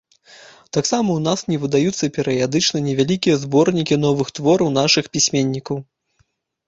Таксама ў нас не выдаюцца перыядычна невялікія зборнікі новых твораў нашых пісьменнікаў.